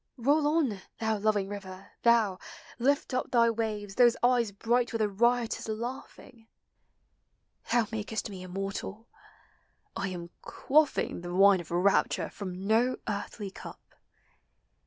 Roll on, thou loving river, thou ! Lift up . Thy waves, those eyes bright with a riotous laugh ing! Thou makest me immortal ! I am quaffing The wine of rapture from no earthly cup